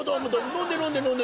飲んで飲んで飲んで。